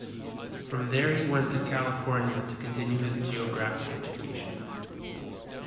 From there he went to California to continue his geographic education.